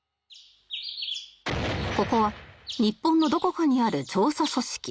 ここは日本のどこかにある調査組織